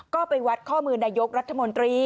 ก็ไปวัดข้อมือนายกรัฐมนตรี